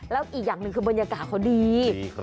แล้วอีกอย่างหนึ่งคือบรรยากาศเขาดี